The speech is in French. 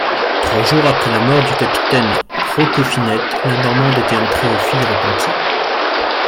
Trois jours après la mort du capitaine Roquefinette, la Normande était entrée aux Filles-Repenties.